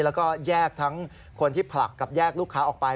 แล้วก็แยกทั้งคนที่ผลักกับแยกลูกค้าออกไป